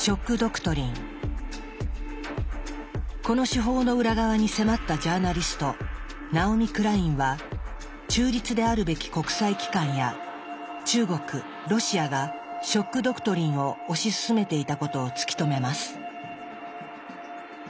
この手法の裏側に迫ったジャーナリストナオミ・クラインは中立であるべき国際機関や中国ロシアが「ショック・ドクトリン」を推し進めていたことを突き止めます。